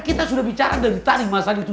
kita sudah menjelaskan tentangnya dari saat itu